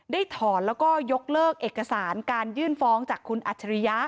ถอนแล้วก็ยกเลิกเอกสารการยื่นฟ้องจากคุณอัจฉริยะ